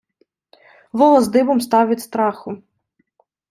Волос дибом став від страху.